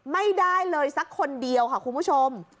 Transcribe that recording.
ไม่ได้เลยสักคนเดียวค่ะคุณผู้ชม